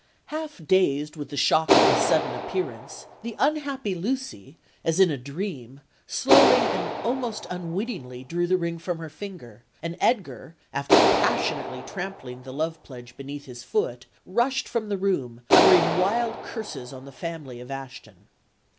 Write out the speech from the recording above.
Half dazed with the shock of his sudden appearance, the unhappy Lucy, as in a dream, slowly and almost unwittingly drew the ring from her finger; and Edgar, after passionately trampling the love pledge beneath his foot, rushed from the room, uttering wild curses on the family of Ashton.